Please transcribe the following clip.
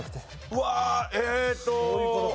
うわえっと。